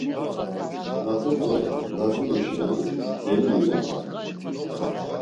Lazepe Lazuri şeni deli ivenan.